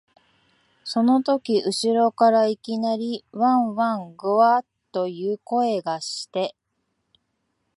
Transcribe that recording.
そのとき後ろからいきなり、わん、わん、ぐゎあ、という声がして、